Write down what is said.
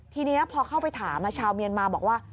ทีนี้พอเข้าไปถามชาวเมียนมาบอกว่า